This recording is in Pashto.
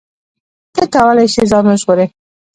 ته کولی شې ځان وژغورې.